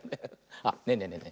あっねえねえねえね